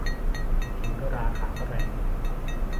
ขิงก็ราข่าก็แรง